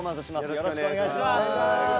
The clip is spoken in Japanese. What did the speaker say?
よろしくお願いします。